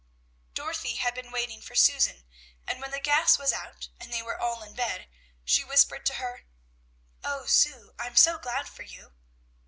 Dorothy had been waiting for Susan, and when the gas was out and they were all in bed, she whispered to her, "O Sue! I'm so glad for you."